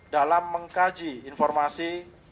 dalam mengkaji informasi